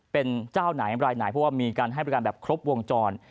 เป็นเจ้าไหนรายไหนเพราะว่ามีการให้บริการแบบครบวงจร